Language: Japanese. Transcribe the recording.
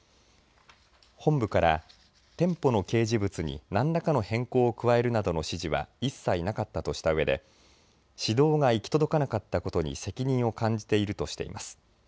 本部から店舗の掲示物に何らかの変更を加えるなどの指示は一切なかったとしたうえで指導が行き届かなかったことに責任を感じているとしています。